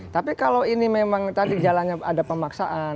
tapi kalau ini memang tadi jalannya ada pemaksaan